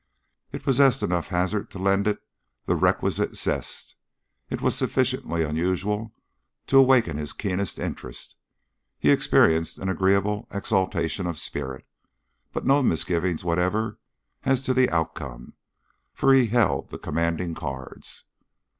It possessed enough hazard to lend it the requisite zest, it was sufficiently unusual to awaken his keenest interest; he experienced an agreeable exaltation of spirit, but no misgivings whatever as to the outcome, for he held the commanding cards.